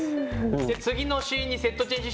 じゃあ次のシーンにセットチェンジします。